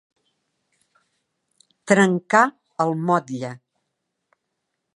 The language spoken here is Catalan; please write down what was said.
Trencar el motlle.